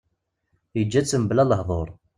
Yeǧǧa-tt mebla lehdur.